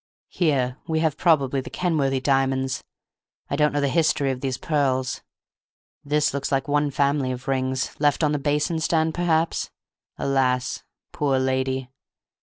Here we have probably the Kenworthy diamonds.... I don't know the history of these pearls.... This looks like one family of rings—left on the basin stand, perhaps—alas, poor lady!